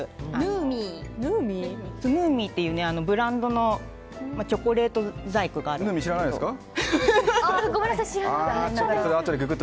ヌーミーというブランドのチョコレート細工があるんですけど。